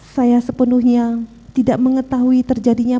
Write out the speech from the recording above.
saya sepenuhnya tidak mengetahui terdapatkan penyakit